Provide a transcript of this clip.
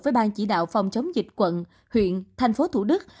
với ban chỉ đạo phòng chống dịch quận huyện thành phố thủ đức